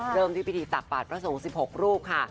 เริ่มที่พิธีตักบาทพระสงฆ์๑๖รูปค่ะ